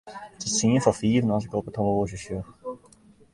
It is tsien foar fiven as ik op it horloazje sjoch.